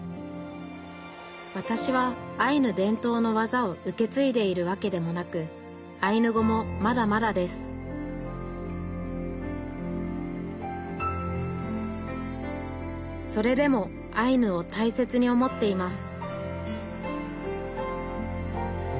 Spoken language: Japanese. わたしはアイヌ伝統のわざを受け継いでいるわけでもなくアイヌ語もまだまだですそれでもアイヌを大切に思っています